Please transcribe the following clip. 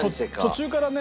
途中からね